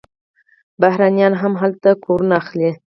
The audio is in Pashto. بهرنیان هم هلته کورونه اخلي.